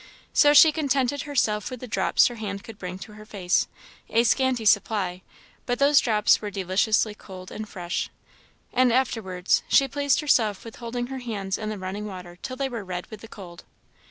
So she contented herself with the drops her hands could bring to her face a scanty supply; but those drops were deliciously cold and fresh. And afterwards she pleased herself with holding her hands in the running water till they were red with the cold.